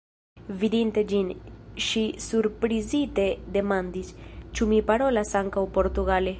Vidinte ĝin, ŝi surprizite demandis, ĉu mi parolas ankaŭ portugale.